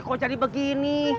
kok jadi begini